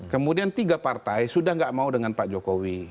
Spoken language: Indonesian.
kemudian tiga partai sudah gak mau dengan pak jokowi